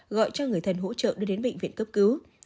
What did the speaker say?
gọi cho người thân hỗ trợ đưa đến bệnh viện cấp cứu